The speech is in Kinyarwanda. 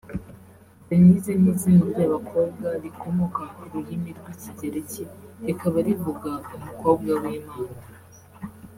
Denise ni izina ry’abakobwa rikomoka ku rurimi rw’Ikigereki rikaba rivuga “Umukobwa w’Imana”